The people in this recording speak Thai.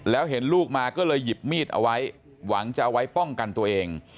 แล้วเห็นลูกมาก็เลยหยิบมีดเอาไว้หวังจะเอาไว้ป้องกันตัวเอง